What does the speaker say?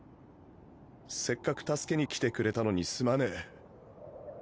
せっかく助けに来てくれたのにすまねぇ。